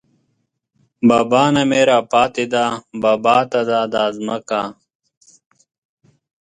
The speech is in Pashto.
بابا نه مې راپاتې ده بابا ته ده دا ځمکه